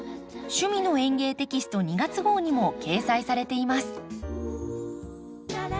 「趣味の園芸」テキスト２月号にも掲載されています。